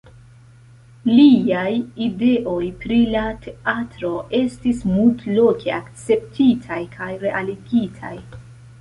Liaj ideoj pri la teatro estis multloke akceptitaj kaj realigitaj.